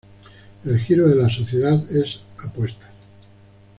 El giro de la Sociedad es apuestas.